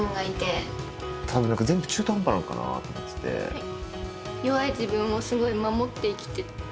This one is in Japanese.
はい。